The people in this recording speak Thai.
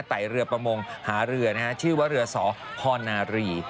เรือประมงหาเรือชื่อว่าเรือสพนารี